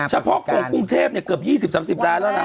เฉพาะของกรุงเทพเกือบ๒๐๓๐ล้านแล้วนะ